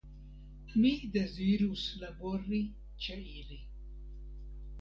Mi dezirus labori ĉe ili.